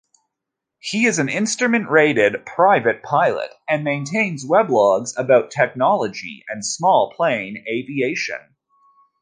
He is an instrument-rated private pilot, and maintains weblogs about technology and small-plane aviation.